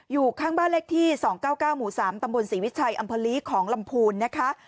อยู่ข้างบ้านเลขที่๒๙๙หมู่๓ตำบลศรีวิชัยอำเภอลีของลำพูนนะคะ